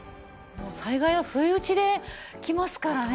災害は不意打ちできますからね。